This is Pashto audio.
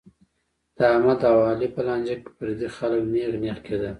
د احمد او علي په لانجه کې پردي خلک نېغ نېغ کېدل.